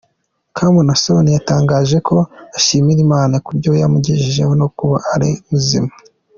com Naason yatangaje ko ashimira Imana kubyo yamugejejeho no kuba ari muzima.